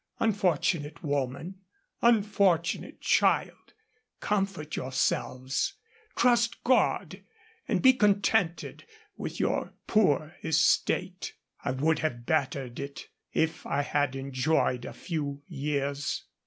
Unfortunate woman, unfortunate child, comfort yourselves, trust God, and be contented with your poor estate. I would have bettered it, if I had enjoyed a few years.